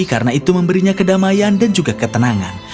karena itu memberinya kedamaian dan juga ketenangan